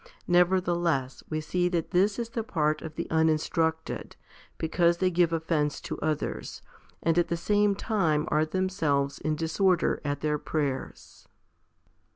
Nevertheless we see that this is the part of the uninstructed, because they give offence to others, and at the same time are themselves in disorder at their prayers.